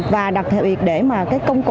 và đặc biệt để mà các công cụ